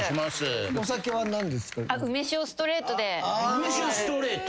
梅酒ストレート？